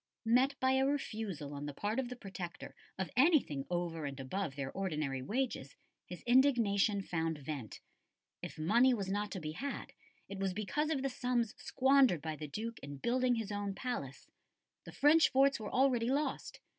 Met by a refusal on the part of the Protector of anything over and above their ordinary wages, his indignation found vent. If money was not to be had, it was because of the sums squandered by the Duke in building his own palace. The French forts were already lost.